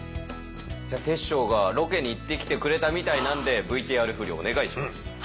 煌翔がロケに行ってきてくれたみたいなんでＶＴＲ振りお願いします。